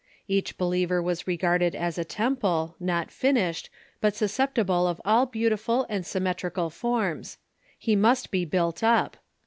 Each believer was regarded as a temple, not finished, but susceptible of all beautiful and symmetrical forms. He must be built up.